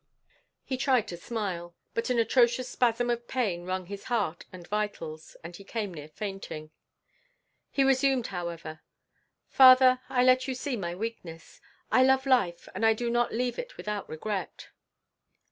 '" He tried to smile; but an atrocious spasm of pain wrung his heart and vitals, and he came near fainting. He resumed, however: "Father, I let you see my weakness. I love life and I do not leave it without regret."